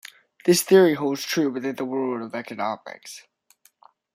This theory holds true within the world of economics.